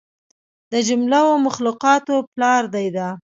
د جمله و مخلوقاتو پلار دى دا.